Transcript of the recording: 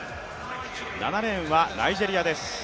７レーンはナイジェリアです